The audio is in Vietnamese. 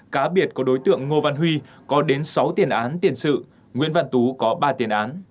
cá biệt có đối tượng ngô văn huy có đến sáu tiền án tiền sự nguyễn văn tú có ba tiền án